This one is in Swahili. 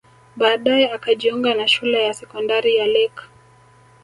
Baadae akajiunga na shule ya sekondari ya Lake